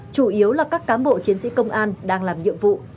chủ yếu là các cán bộ chiến sĩ công an đang làm nhiệm vụ